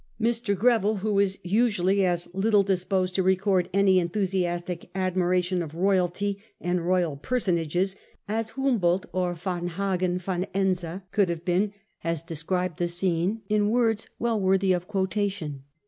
Mr. Greville, who was usually as little disposed to 1837. THE YOUNG QUEEN. 9 record any enthusiastic admiration of royalty and royal personages as Humboldt or Yarnhagen von Ense could have been, has described the scene in words well worthy of quotation.